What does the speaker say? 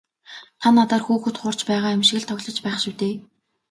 Та надаар хүүхэд хуурч байгаа юм шиг л тоглож байх шив дээ.